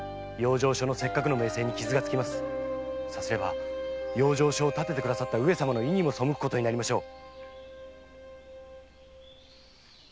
さすれば養生所を建ててくださった上様の意にも背くことになりましょう。